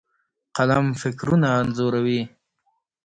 قلم فکرونه انځوروي.